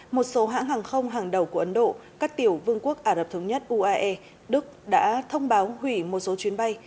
một số hãng hàng không hàng đầu của ấn độ các tiểu vương quốc ả rập thống nhất uae đức đã thông báo hủy một số chuyến bay